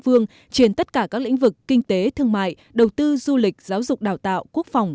phương trên tất cả các lĩnh vực kinh tế thương mại đầu tư du lịch giáo dục đào tạo quốc phòng